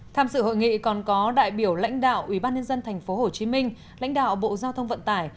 tham dự hội nghị còn có đại biểu lãnh đạo ubnd tp hcm lãnh đạo bộ giao thông vận tải